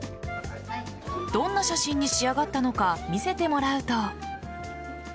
どんな写真に仕上がったのか見せてもらうと。